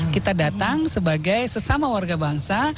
kita datang sebagai sesama warga bangsa